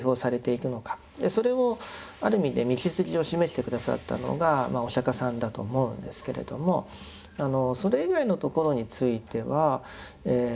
それをある意味で道筋を示して下さったのがお釈迦さんだと思うんですけれどもそれ以外の所についてはさまざまなものをですね